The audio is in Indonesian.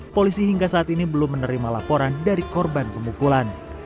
polisi hingga saat ini belum menerima laporan dari korban pemukulan